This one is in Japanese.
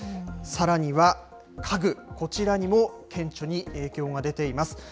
さらには家具、こちらにも顕著に影響が出ています。